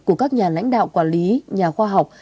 của các nhà lãnh đạo quản lý nhà khoa học